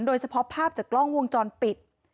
โดยเฉพาะภาพจากกล้องวงจรปิด